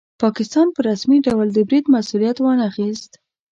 پاکستان په رسمي ډول د برید مسوولیت وانه خیست.